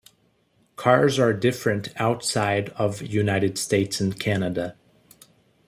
Cars are different outside of United States and Canada.